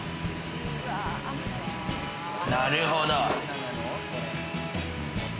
なるほど。